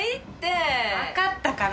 わかったから。